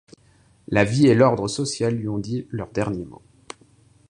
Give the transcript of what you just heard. La vie et l’ordre social lui ont dit leur dernier mot.